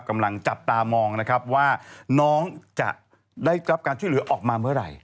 กำลังจับตามองนะครับว่าน้องจะได้รับการช่วยเหลือออกมาเมื่อไหร่